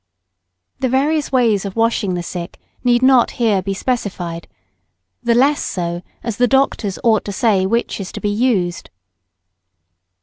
The various ways of washing the sick need not here be specified, the less so as the doctors ought to say which is to be used.